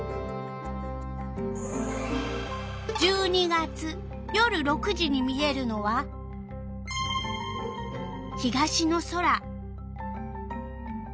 １２月夜６時に見えるのは東の空。